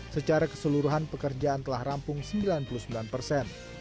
secara keseluruhan pekerjaan telah rampung sembilan puluh sembilan persen